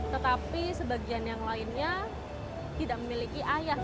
tetapi sebagian yang lainnya tidak memiliki ayah